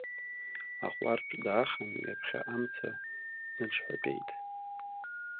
Аҟәардә даахан ҩаԥхьа амца дныҽҳәатәеит.